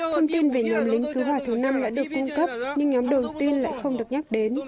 thông tin về nhóm lính cứu hỏa thứ năm đã được cung cấp nhưng nhóm đầu tiên lại không được nhắc đến